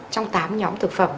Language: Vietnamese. năm trong tám nhóm thực phẩm